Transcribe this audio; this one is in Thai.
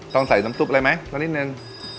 ต้องใส่น้ำจุ๊บอะไรไหมตอนนี้นึง